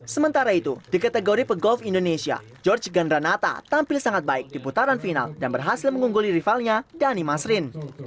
sementara itu di kategori pegolf indonesia george gandranata tampil sangat baik di putaran final dan berhasil mengungguli rivalnya dhani masrin